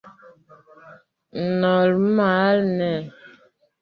Normale, ne.